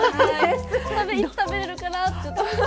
いつ食べれるかなって。